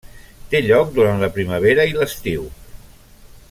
Té lloc durant la primavera i l'estiu.